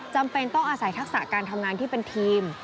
จำเป็นต้องอาศัยทักษะการทำงานที่เป็นทีม